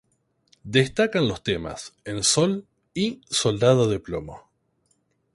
Destacan los temas "En Sol" y "Soldado de Plomo".